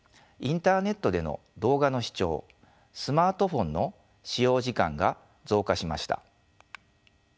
インターネットでの動画の視聴スマートフォンの使用時間が増加しました。